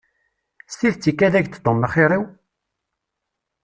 S tidet ikad-ak-d Tom axir-iw?